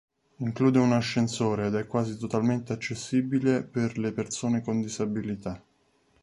Include un ascensore ed è quasi totalmente accessibile per le persone con disabilità.